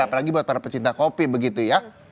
apalagi buat para pecinta kopi begitu ya